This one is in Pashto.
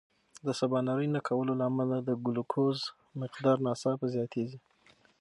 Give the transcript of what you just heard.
د سباناري نه کولو له امله د ګلوکوز مقدار ناڅاپه زیاتېږي.